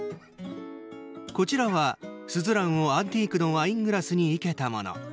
こちらはスズランをアンティークのワイングラスに生けたもの。